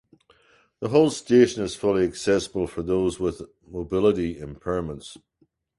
The whole station is fully accessible for those with mobility impairments.